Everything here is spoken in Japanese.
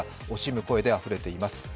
惜しむ声であふれています。